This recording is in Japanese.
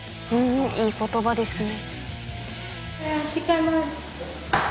いい言葉ですね。